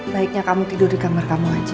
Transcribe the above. baiknya kamu tidur di kamar kamu aja